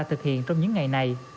thực hiện trong những ngày này